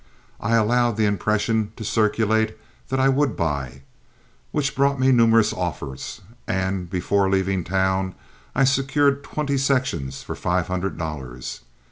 I allowed the impression to circulate that I would buy, which brought me numerous offers, and before leaving the town I secured twenty sections for five hundred dollars.